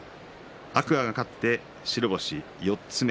天空海が勝って白星４つ目。